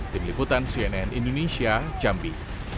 tim liputan cnn indonesia jambi